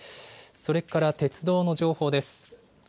それから鉄道の情報です。